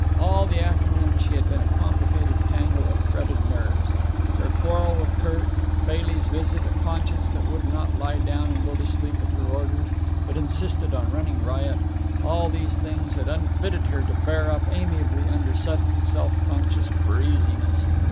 All the afternoon she had been a complicated tangle of fretted nerves. Her quarrel with Kirk, Bailey's visit, a conscience that would not lie down and go to sleep at her orders, but insisted on running riot—all these things had unfitted her to bear up amiably under sudden, self conscious breeziness.